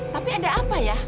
tapi ada apa ya